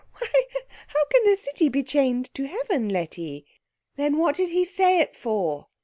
Why, how can a city be chained to heaven, Letty?" "Then what did he say it for?"